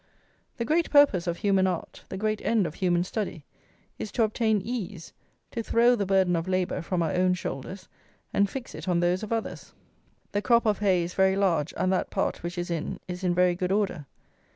The great purpose of human art, the great end of human study, is to obtain ease, to throw the burden of labour from our own shoulders, and fix it on those of others. The crop of hay is very large, and that part which is in, is in very good order.